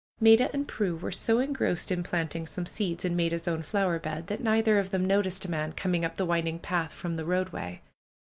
Maida and Prue were so engrossed in planting some seeds in Maida's own flower bed that neither of them noticed a man coming up the winding path from the roadway.